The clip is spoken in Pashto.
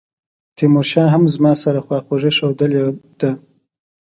تیمورشاه هم زما سره خواخوږي ښودلې ده.